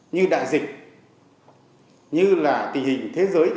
gdzie các nước có thể phải chế